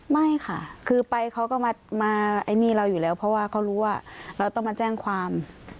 ไม่ค่ะคือไปเขาก็มาไอ้นี่เราอยู่แล้วเพราะว่าเขารู้ว่าเราต้องมาแจ้งความ